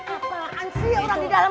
apaan sih orang di dalam